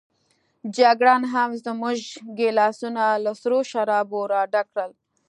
جګړن هم زموږ ګیلاسونه له سرو شرابو راډک کړل.